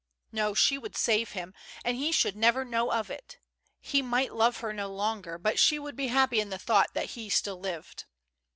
No, she would save him, and he should never know of it. He might love her no longer, but §he would be happy in the thought that he still lived.